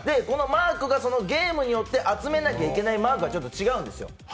そのゲームによって集めなきゃいけないマークが違うんですよ。